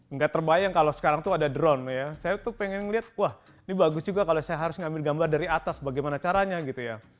nggak terbayang kalau sekarang tuh ada drone ya saya tuh pengen lihat wah ini bagus juga kalau saya harus ngambil gambar dari atas bagaimana caranya gitu ya